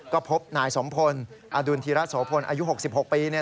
ก็พบนายสมพลอดุลธิระโสพลอายุ๖๖ปี